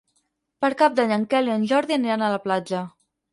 Per Cap d'Any en Quel i en Jordi aniran a la platja.